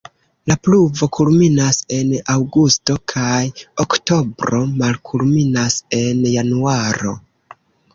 La pluvo kulminas en aŭgusto kaj oktobro, malkulminas en januaro.